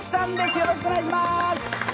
よろしくお願いします！